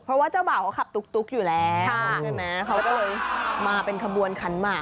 เพราะว่าเจ้าบ่าวเขาขับตุ๊กอยู่แล้วใช่ไหมเขาก็เลยมาเป็นขบวนขันหมาก